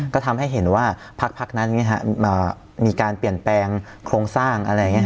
ก็ทำให้เห็นว่าพักนั้นมีการเปลี่ยนแปลงโครงสร้าง